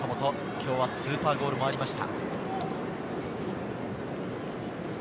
今日はスーパーゴールもありました。